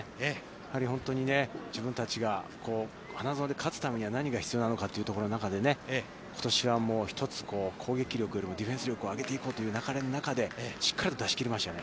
やはり本当に自分たちが花園で勝つためには何が必要なのかというところの中で、ことしは一つ、攻撃力よりもディフェンス力を上げていこうという流れの中で、しっかりと出しきりましたね。